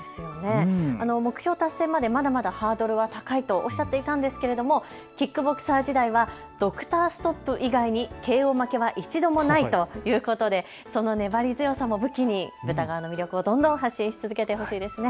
目標達成までまだまだハードルは高いとおっしゃっていたんですが、キックボクサー時代はドクターストップ以外にＫＯ負けは一度もないということでその粘り強さも武器に豚革の魅力をどんどん発信し続けてほしいですよね。